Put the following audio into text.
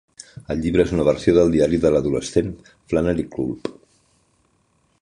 El llibre és una versió del diari de l'adolescent Flannery Culp.